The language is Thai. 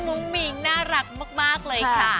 มุ้งมิ้งน่ารักมากเลยค่ะ